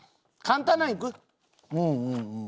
うんうんうん。